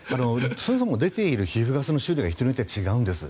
そもそも出ている皮膚ガスの種類が人によって違うんです。